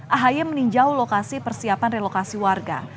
ahy meninjau lokasi persiapan relokasi warga